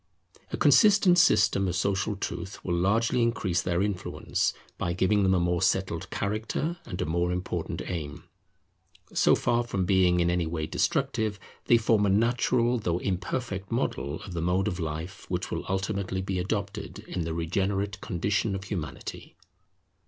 A consistent system of social truth will largely increase their influence, by giving them a more settled character and a more important aim. So far from being in any way destructive, they form a natural though imperfect model of the mode of life which will ultimately be adopted in the regenerate condition of Humanity.